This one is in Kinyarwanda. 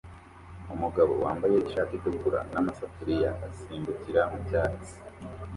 Umugabo wambaye ishati itukura n'amasafuriya asimbukira mu cyatsi